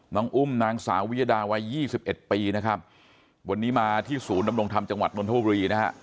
อุ้มนางสาววิยดาวัย๒๑ปีนะครับวันนี้มาที่ศูนย์ดำรงธรรมจังหวัดนทบุรีนะฮะ